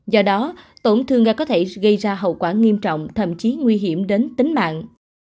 do đó tổn thương ga có thể gây ra hậu quả nghiêm trọng thậm chí nguy hiểm đến tính mạng